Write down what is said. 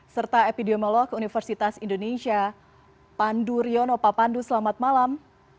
serta epidemiolog universitas indonesia pandu rionopapandu selamat malam